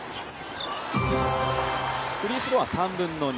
フリースローは３分の２。